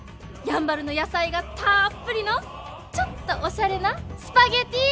やんばるの野菜がたっぷりのちょっとおしゃれなスパゲッティ！